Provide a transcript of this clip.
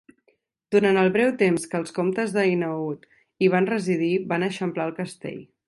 Durant el breu temps que els comtes d'Hainaut hi van residir van eixamplar el castell.